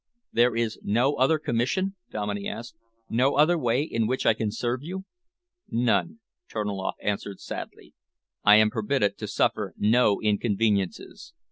"There is no other commission?" Dominey asked. "No other way in which I can serve you?" "None," Terniloff answered sadly. "I am permitted to suffer no inconveniences.